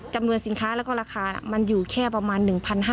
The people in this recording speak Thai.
จำนวนสินค้าแล้วก็ราคามันอยู่แค่ประมาณ๑๕๐๐